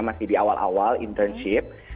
masih di awal awal internship